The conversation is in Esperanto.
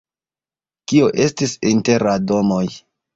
Kio estis inter la domoj?